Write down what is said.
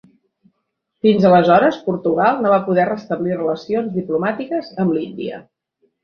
Fins aleshores Portugal no va poder restablir relacions diplomàtiques amb l'Índia.